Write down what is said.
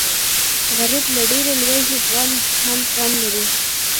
غریب له ډېرې لوږې هم زغم لري